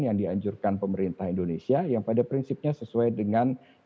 yang dianjurkan pemerintah indonesia yang pada prinsipnya sesuai dengan